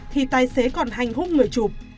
thì tài xế còn hành hút người chụp